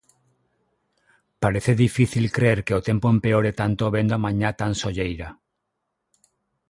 Parece difícil crer que o tempo empeore tanto vendo a mañá tan solleira.